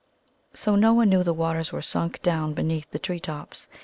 So Noah knew the waters were sunk down beneath the treetops.